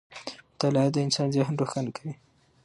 مطالعه د انسان ذهن روښانه کوي.